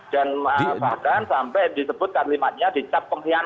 dan fahdan sampai disebutkan limanya dicap pengkhianat